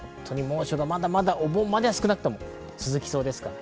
まだまだお盆までは少なくとも続きそうです。